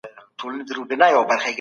دراني امپراتورۍ څومره وخت دوام وکړ؟